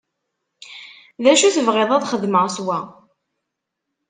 D acu tebɣiḍ ad xedmeɣ s wa?